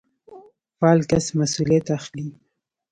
فعال کس مسوليت اخلي.